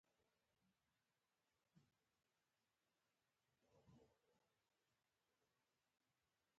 هغه د شمال په لور راتلو پر ځای ورک شو.